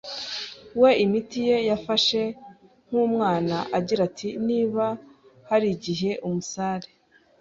we imiti ye, yafashe nk'umwana, agira ati: "Niba harigihe umusare